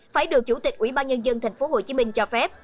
phải được chủ tịch ủy ban nhân dân tp hcm cho phép